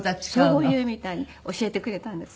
そう言うみたいに教えてくれたんです。